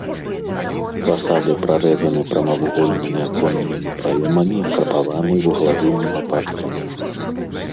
Фасады прарэзаны прамавугольнымі аконнымі праёмамі, крапаваны вуглавымі лапаткамі.